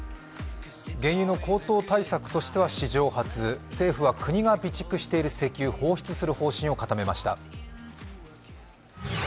原油の高騰対策としては史上初、政府は国が備蓄している石油を放出する方針を固めました。